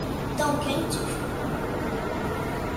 Tão quente e frio